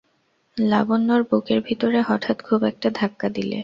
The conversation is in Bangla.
লাবণ্যর বুকের ভিতরে হঠাৎ খুব একটা ধাক্কা দিলে।